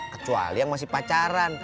kecuali yang masih pacaran